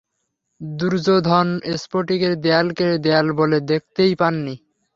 দুর্যোধন স্ফটিকের দেয়ালকে দেয়াল বলে দেখতেই পান নি।